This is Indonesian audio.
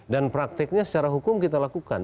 dan prakteknya secara hukum kita lakukan